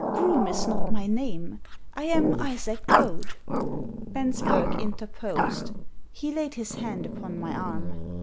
Groome is not my name. I am Isaac Goad." Bensberg interposed. He laid his hand upon my arm.